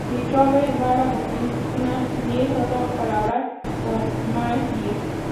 Michonne va a la colonia Hilltop para hablar con Maggie.